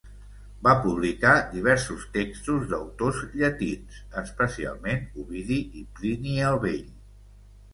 Va publicar diversos textos d'autors llatins, especialment Ovidi i Plini el Vell.